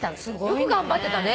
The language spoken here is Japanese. よく頑張ってたね。